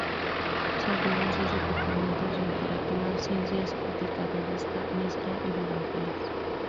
Se abrieron seis departamentos: literatura, ciencias, crítica, revista, mezcla y biografías.